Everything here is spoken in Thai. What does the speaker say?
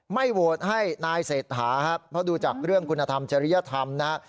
โหวตให้นายเศรษฐาครับเพราะดูจากเรื่องคุณธรรมจริยธรรมนะฮะ